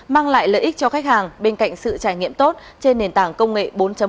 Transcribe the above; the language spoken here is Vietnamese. mang lại lợi ích cho khách hàng bên cạnh sự trải nghiệm tốt trên nền tảng công nghệ bốn